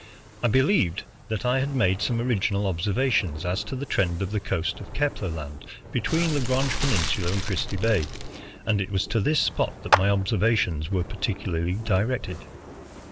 I believed that I had made some original observations as to the trend of the coast of Kepler Land between Lagrange Peninsula and Christie Bay, and it was to this spot that my observations were particularly directed.